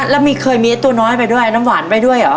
แล้วมีเคยมีไอ้ตัวน้อยไปด้วยน้ำหวานไปด้วยเหรอ